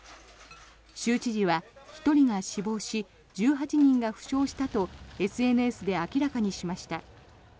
州知事は１人が死亡し１８人が負傷したとＳＮＳで明らかにしました。